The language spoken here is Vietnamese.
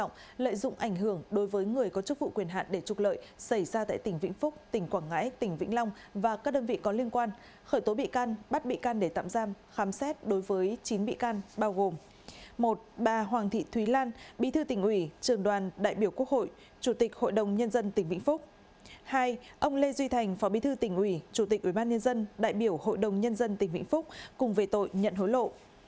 hai ông lê duy thành phó bí thư tỉnh ủy chủ tịch ủy ban nhân dân đại biểu hội đồng nhân dân tỉnh vĩnh phúc cùng về tội nhận hối lộ